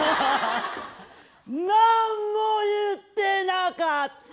何も言ってなかった！